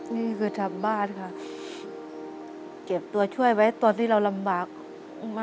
ในตัวหมาย